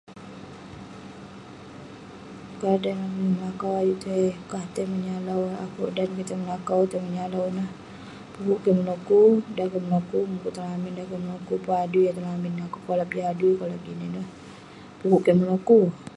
[unintelligible] melakau, ayuk tai- kah tai menyalau. Akouk dan kik tai melakau, tai menyalau ineh, pukuk kek meloku. Dan kek meloku mukuk tong lamin, dan kik meloku pun adui tong lamin, akouk kolap jin lamin, kolap jin ineh. Pekuk kik meloku.